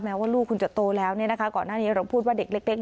ว่าลูกคุณจะโตแล้วเนี่ยนะคะก่อนหน้านี้เราพูดว่าเด็กเล็ก